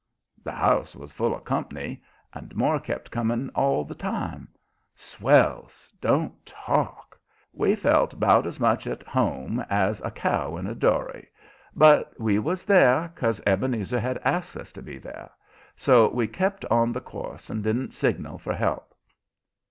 The house was full of comp'ny, and more kept coming all the time. Swells! don't talk! We felt 'bout as much at home as a cow in a dory, but we was there 'cause Ebenezer had asked us to be there, so we kept on the course and didn't signal for help.